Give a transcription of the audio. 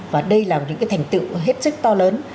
và đây là những cái thành tựu hết sức to lớn